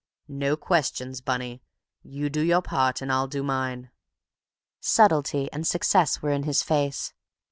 "No questions, Bunny; you do your part and I'll do mine." Subtlety and success were in his face.